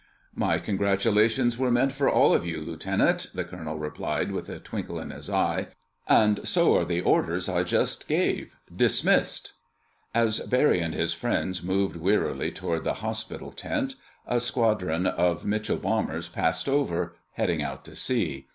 "My congratulations were meant for all of you, Lieutenant," the colonel replied with a twinkle in his eye. "And so are the orders I just gave. Dismissed!" As Barry and his friends moved wearily toward the hospital tent, a squadron of Mitchell bombers passed over, heading out to sea.